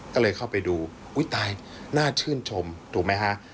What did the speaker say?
ก็เลยเข้าไปดูอุ้ยตายน่าชื่นชมถูกไหมฮะ